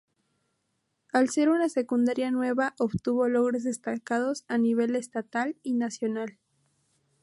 Al ser una secundaria nueva obtuvo logros destacados a nivel estatal y nacional.